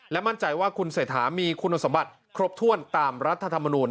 และมั่นใจว่าคุณเสธามีคุณสมบัติครบถ้วน